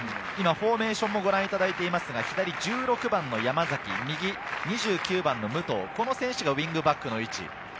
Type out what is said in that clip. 今フォーメーションをご覧いただいていますが、左１６番の山崎、２９番の武藤、その選手がウイングバックの位置。